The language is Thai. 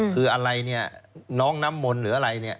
คืออะไรเนี่ยน้องน้ำมนต์หรืออะไรเนี่ย